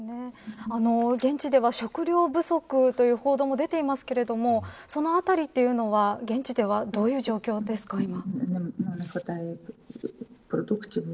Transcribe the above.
現地では食糧不足という報道も出ていますけれどもそのあたりというのは現地ではどういう状況ですか。